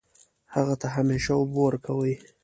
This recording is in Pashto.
هغه ته همیشه اوبه ورکوئ